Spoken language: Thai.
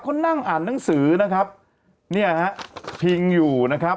เขานั่งอ่านหนังสือนะครับเนี่ยฮะพิงอยู่นะครับ